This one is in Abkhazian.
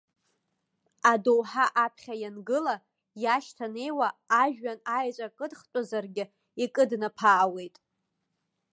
Адоуҳа аԥхьа иангыла, иашьҭанеиуа, ажәҩан аеҵәа кыдхтәызаргьы икыднаԥаауеит.